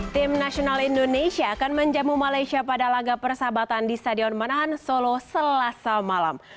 tim nasional indonesia akan menjamu malaysia pada laga persahabatan di stadion manahan solo selasa malam